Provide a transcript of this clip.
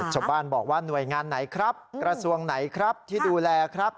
ชาวบ้านบอกว่าหน่วยงานไหนครับกระทรวงไหนครับที่ดูแลครับ